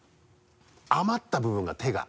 余った部分が手が。